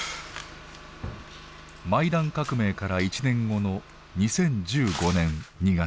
マイダン革命から１年後の２０１５年２月。